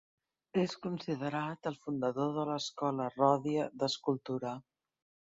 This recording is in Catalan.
És considerat el fundador de l'escola ròdia d'escultura.